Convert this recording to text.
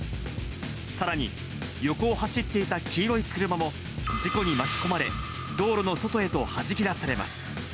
さらに横を走っていた黄色い車も、事故に巻き込まれ、道路の外へとはじき出されます。